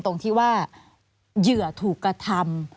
ตรงที่ว่าเหลือกระทำ